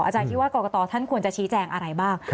อาจารย์คิดว่ากรกตท่านควรจะชี้แจงอะไรบ้าง